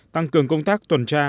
tăng cường công tác tuần tra